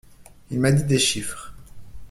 Il m'a dit des chiffres!